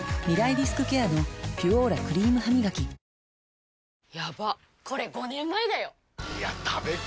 リスクケアの「ピュオーラ」クリームハミガキ大豆麺ん？